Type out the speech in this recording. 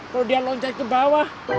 kalau dia loncek ke bawah